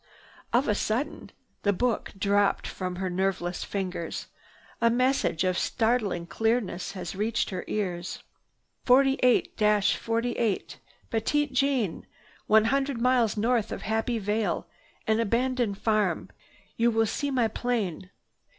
Of a sudden the book dropped from her nerveless fingers. A message of startling clearness had reached her ears. "48—48! Petite Jeanne! One hundred miles north of Happy Vale, an abandoned farm. You will see my plane.